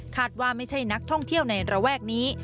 ว่าไม่ใช่นักท่องเที่ยวในระแวกนี้